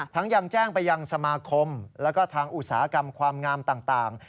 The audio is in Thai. ยังแจ้งไปยังสมาคมแล้วก็ทางอุตสาหกรรมความงามต่าง